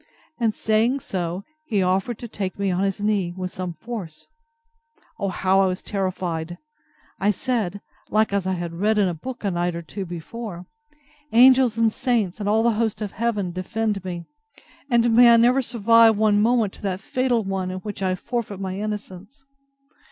And saying so, he offered to take me on his knee, with some force. O how I was terrified! I said, like as I had read in a book a night or two before, Angels and saints, and all the host of heaven, defend me! And may I never survive one moment that fatal one in which I shall forfeit my innocence!